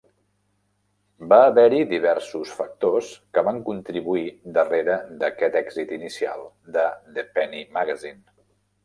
Va haver-hi diversos factors que van contribuir darrere d'aquest èxit inicial de "The Penny Magazine".